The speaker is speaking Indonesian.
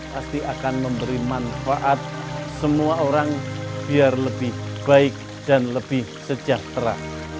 pasti akan memberi manfaat semua orang biar lebih baik dan lebih sejahtera